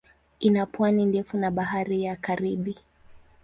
Ina pwani ndefu na Bahari ya Karibi.